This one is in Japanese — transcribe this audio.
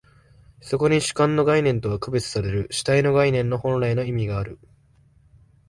そこに主観の概念とは区別される主体の概念の本来の意味がある。